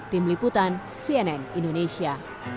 tim liputan cnn indonesia